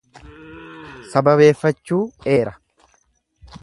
Sababeeffachuu eera.